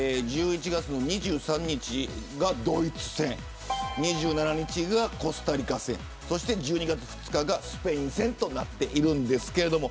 １１月２３日がドイツ戦２７日がコスタリカ戦１２月２日がスペイン戦です。